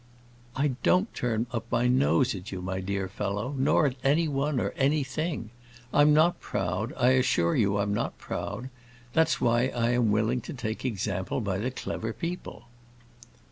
"I don't turn up my nose at you, my dear fellow; nor at anyone, or anything. I'm not proud, I assure you I'm not proud. That's why I am willing to take example by the clever people."